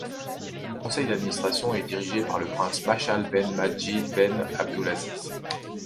Le conseil d'administration est dirigé par le prince Mashal ben Madjid ben Abdulaziz.